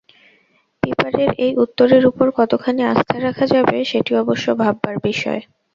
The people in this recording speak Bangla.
পিপারের এই উত্তরের উপর কতখানি আস্থা রাখা যাবে সেটি অবশ্য ভাববার বিষয়।